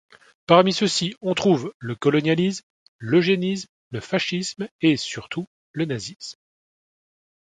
Parmi ceux-ci, on trouve le colonialisme, l'eugénisme, le fascisme et surtout le nazisme.